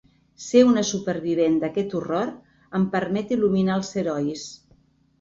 Ser una supervivent d’aquest horror em permet il·luminar els herois.